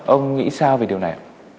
ông nghĩ sao về điều này